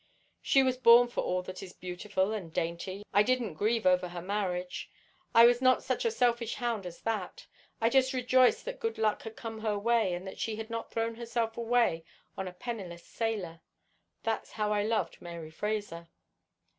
She was born for all that is beautiful and dainty. I didn't grieve over her marriage. I was not such a selfish hound as that. I just rejoiced that good luck had come her way, and that she had not thrown herself away on a penniless sailor. That's how I loved Mary Fraser.